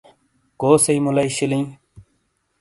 کوسئیی مُلئی شِیلیئں؟